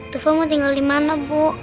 tufomu tinggal dimana bu